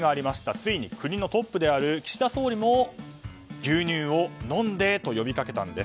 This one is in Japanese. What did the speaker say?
ついに国のトップである岸田総理も、牛乳を飲んで！と呼びかけたんです。